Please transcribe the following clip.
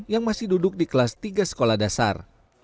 yang masih duduk di kelas tiga sekolah dasar